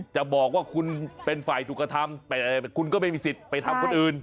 จะบอกว่าคุณเป็นฝ่ายถูกกระทำแต่คุณก็ไม่มีสิทธิ์ไปทำคนอื่น